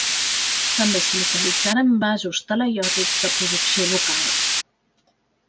També s'hi localitzaren vasos talaiòtics, de producció local.